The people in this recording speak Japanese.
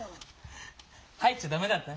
入っちゃダメだった？